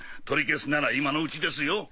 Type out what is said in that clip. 取り消すなら今のうちですよ。